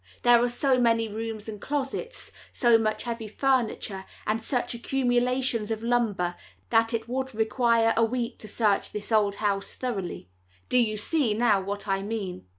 There are so many rooms and closets, so much heavy furniture, and such accumulations of lumber, that it would require a week to search this old house thoroughly. Do you see, now, what I mean?"